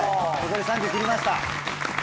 残り３０切りました。